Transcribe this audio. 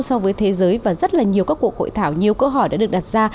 so với thế giới và rất là nhiều các cuộc hội thảo nhiều cơ hội đã được đặt ra